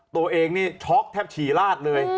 ตัวเองนี่ช็อกแทบฉี่ลาดเลย